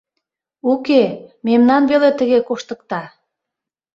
— Уке, мемнам веле тыге коштыкта.